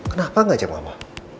kenapa ngajak mama